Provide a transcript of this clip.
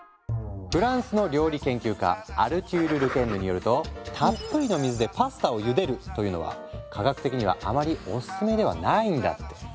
フランスの料理研究家アルテュール・ル・ケンヌによるとたっぷりの水でパスタをゆでるというのは科学的にはあまりおすすめではないんだって。